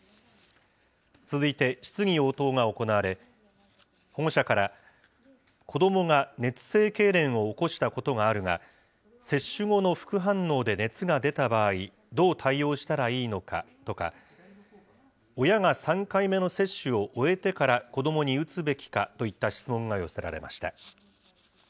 続いて質疑応答が行われ、保護者から、子どもが熱性けいれんを起こしたことがあるが、接種後の副反応で熱が出た場合、どう対応したらいいのかとか、親が３回目の接種を終えてから子どもに打つべきかといった質問が寄せられました。